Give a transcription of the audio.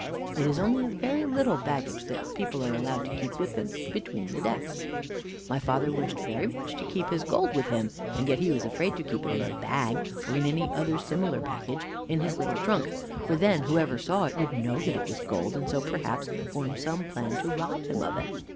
It is only a very little baggage that the people are allowed to keep with them between the decks. My father wished very much to keep his gold with him, and yet he was afraid to keep it in a bag, or in any other similar package, in his little trunk, for then whoever saw it would know that it was gold, and so perhaps form some plan to rob him of it.